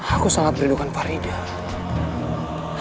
aku sangat merindukan faridah